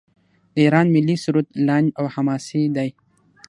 د ایران ملي سرود لنډ او حماسي دی.